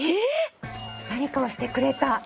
何かをしてくれた。